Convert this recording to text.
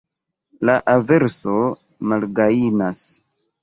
La averso malgajnas.